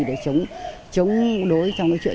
để chống đối trong cái chuyện